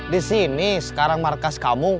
di sini sekarang markas kamu